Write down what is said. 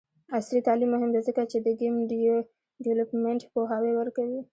عصري تعلیم مهم دی ځکه چې د ګیم ډیولپمنټ پوهاوی ورکوي.